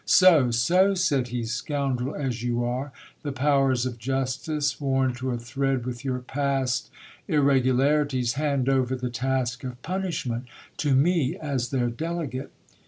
So, so ! said he, scoundrel as you are, the powers of justice, worn to a thread with your past irregularities, hand over the task of punishment to me as their delegate.